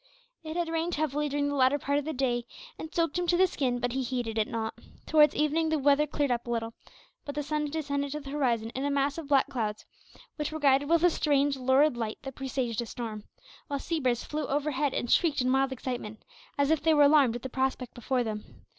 It had rained heavily during the latter part of the day and soaked him to the skin, but he heeded it not. Towards evening the weather cleared up little, but the sun descended to the horizon in a mass of black clouds, which were gilded with [a] strange lurid light that presaged a storm; while sea birds flew overhead and shrieked in wild excitement, as if they were alarmed at the prospect before them.